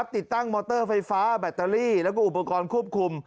ติดตั้งมอเตอร์ไฟฟ้าแบตเตอรี่แล้วก็อุปกรณ์ควบคุม